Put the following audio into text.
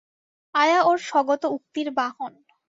আয়া ওর স্বগত উক্তির বাহন।